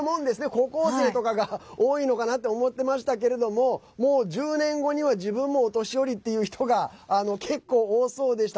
高校生とかが多いのかなって思ってましたけれどももう１０年後には自分もお年寄りっていう人が結構多そうでした。